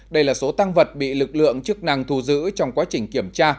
đây là số tăng vật bị lực lượng chức năng thu giữ trong quá trình kiểm tra